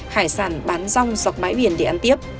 hải sản bán rong dọc bãi biển để ăn tiếp